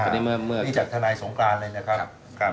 นี่จากทานัยสงการเลยนะครับ